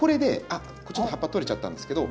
あっちょっと葉っぱ取れちゃったんですけど。